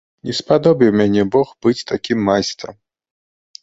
Не спадобіў мяне бог быць такім майстрам.